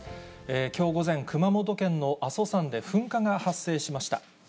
きょう午前、熊本県の阿蘇山で噴火が発生しました。